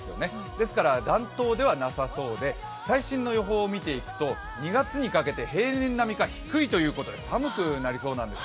ですから、暖冬ではなさそうで最新の予報を見ていくと２月にかけて平年並みか低いということで寒くなりそうなんです。